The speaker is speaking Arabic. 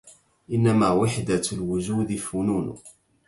إنما وحدة الوجود فنون